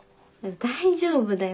大丈夫だよ